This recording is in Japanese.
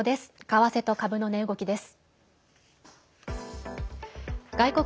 為替と株の値動きです。